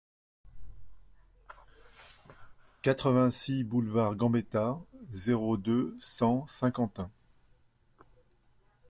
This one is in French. quatre-vingt-six boulevard Gambetta, zéro deux, cent, Saint-Quentin